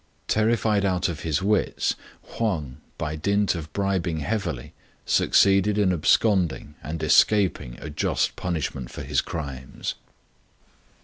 Terrified out of his wits, Huang, by dint of bribing heavily, suc ceeded in absconding and escaping a just punishment for his crimes.